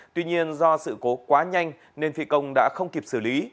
tuy nhiên do sự cố quá nhanh nên phi công đã không kịp xử lý